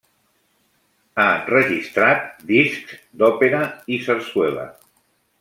Ha enregistrat discs d'òpera i sarsuela.